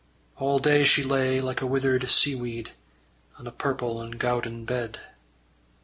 All day she lay like a withered seaweed, On a purple and gowden bed.